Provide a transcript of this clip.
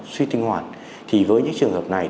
suy tinh hoàn thì với những trường hợp này